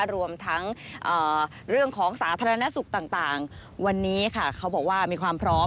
รวมทั้งเรื่องของสาธารณสุขต่างวันนี้ค่ะเขาบอกว่ามีความพร้อม